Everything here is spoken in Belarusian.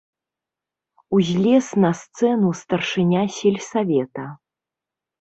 Узлез на сцэну старшыня сельсавета.